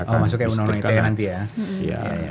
oh masuk ke undang undang ite nanti ya